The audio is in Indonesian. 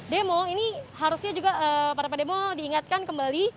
demo ini harusnya juga para perempuan demo diingatkan kembali